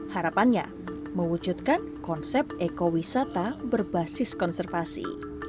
harapannya mewujudkan konsep ekowisata berbasis konservasi